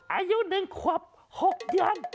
อายุหนึ่งครอบหกยัน